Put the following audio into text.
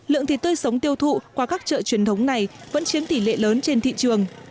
lượng thịt tươi sống tiêu thụ qua các chợ truyền thống này vẫn chiếm tỷ lệ lớn trên thị trường